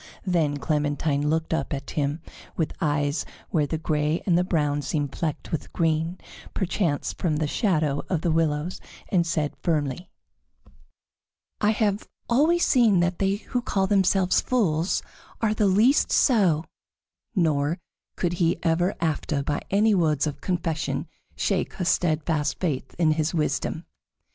Then Clementine looked up at him with eyes where the gray and the brown seemed flecked with green, perchance from the shadow of the willows, and said firmly: "I have always seen that they who call themselves fools are the least so," nor could he ever after by any words of confession shake her steadfast faith in his wisdom.